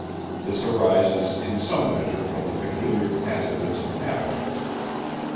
This arises in some measure from the peculiar cast of its inhabitants.